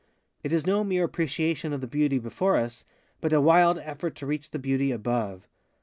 It is no mere appreciation of the Beauty before us, but a wild effort to reach the Beauty above.